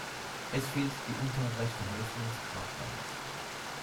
Es fehlt die untere rechte Hälfte des Grabsteins.